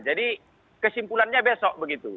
jadi kesimpulannya besok begitu